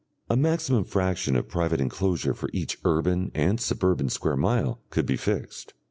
A maximum fraction of private enclosure for each urban and suburban square mile could be fixed.